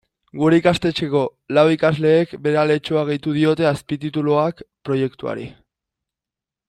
Gure ikastetxeko lau ikasleek bere aletxoa gehitu diote azpitituluak proiektuari.